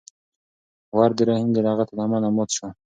ور د رحیم د لغتې له امله مات شو.